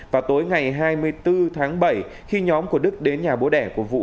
vào tối ngày hai mươi bốn tháng bảy khi nhóm của đức đến nhà bố đẻ của vũ